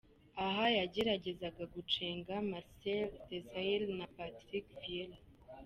Aha yageragezaga gucenga Marcel Desailly na Patrick Viera.